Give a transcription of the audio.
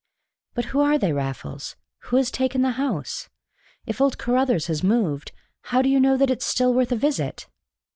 "But who are they, Raffles? Who has taken the house, if old Carruthers has moved, and how do you know that it is still worth a visit?"